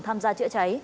tham gia chữa cháy